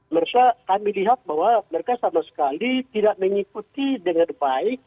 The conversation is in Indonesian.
mereka kami lihat bahwa mereka sama sekali tidak mengikuti dengan baik